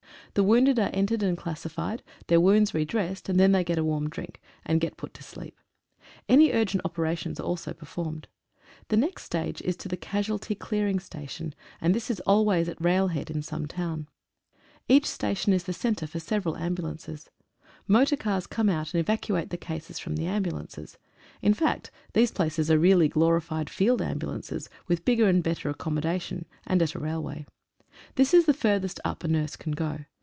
The wounded are entered and classified, their wounds re dressed, and then they get a warm drink, and get put to sleep. Any urgent operations are also performed. The next stage is to the casualty clearing station, this is al ways at rail head in some town. Each station is the centre for several ambulances. Motor cars come out and evacuate the cases from the ambulances. In fact, these places are really glorified field ambulances, with bigger and better accommodation, and at a railway. This is the furthest up a nurse can go.